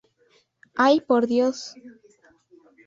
Ay, por Dios!...